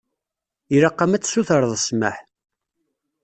Ilaq-am ad tsutreḍ ssmaḥ.